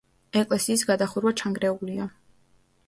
ეკლესიის გადახურვა ჩანგრეულია.